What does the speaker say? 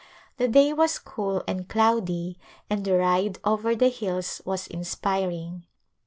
The day was cool and cloudy and the ride over the hills was inspiring.